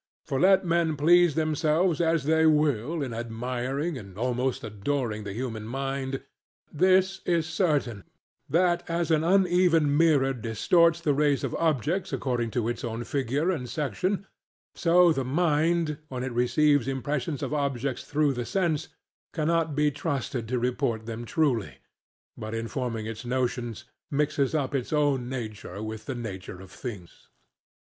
For let men please themselves as they will in admiring and almost adoring the human mind, this is certain: that as an uneven mirror distorts the rays of objects according to its own figure and section, so the mind, when it receives impressions of objects through the sense, cannot be trusted to report them truly, but in forming its notions mixes up its own nature with the nature of things.